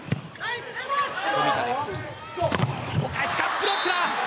ブロックだ。